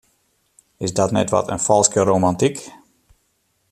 Is dat net wat in falske romantyk?